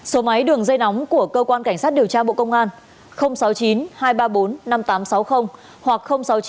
số máy đường dây nóng của cơ quan cảnh sát điều tra bộ công an sáu mươi chín hai trăm ba mươi bốn năm nghìn tám trăm sáu mươi hoặc sáu mươi chín hai trăm ba mươi một một nghìn sáu trăm